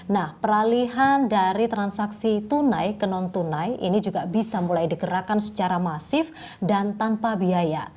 nah peralihan dari transaksi tunai ke non tunai ini juga bisa mulai digerakkan secara masif dan tanpa biaya